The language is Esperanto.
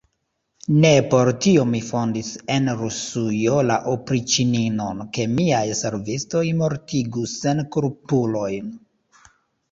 Ne por tio mi fondis en Rusujo la opriĉninon, ke miaj servistoj mortigu senkulpulojn.